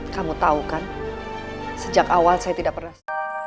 kamu tahu kan sejak awal saya tidak pernah